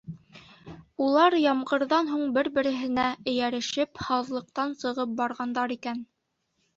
Улар ямғырҙан һуң, бер-береһенә эйәрешеп, һаҙлыҡтан сығып барғандар икән.